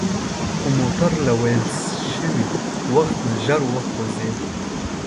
خو موټر له ویل شوي وخت نه ژر وخوځید.